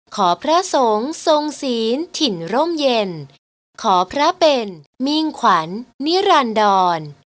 พระสงฆ์ทรงศีลถิ่นร่มเย็นขอพระเป็นมิ่งขวัญนิรันดร